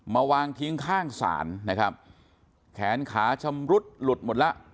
วางทิ้งข้างศาลนะครับแขนขาชำรุดหลุดหมดแล้ว